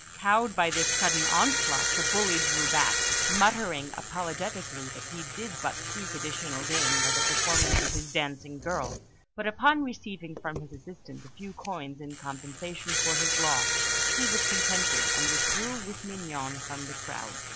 Cowed by this sudden onslaught, the bully drew back, muttering apologetically that he did but seek additional gains by the performance of his dancing girl; but upon receiving from his assailant a few coins in compensation for his loss, he was contented, and withdrew with Mignon from the crowd.